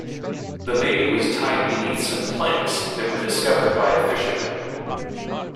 The baby was tied beneath some planks that were discovered by a fisherman.